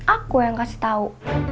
aku yang kasih tahu